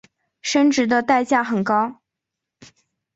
生殖的代价很高。